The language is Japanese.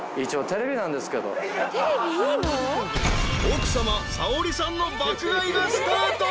［奥さまサオリさんの爆買いがスタート］